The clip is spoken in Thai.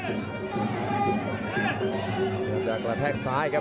จากระแทกทรายครับ